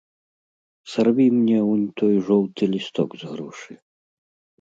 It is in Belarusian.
Сарві мне унь той жоўты лісток з грушы.